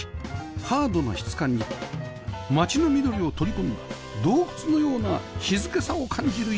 ハードな質感に街の緑を取り込んだ洞窟のような静けさを感じる家